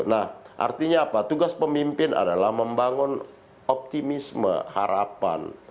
nah artinya apa tugas pemimpin adalah membangun optimisme harapan